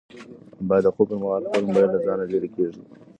باید د خوب پر مهال خپل موبایل له ځانه لیرې کېږدو.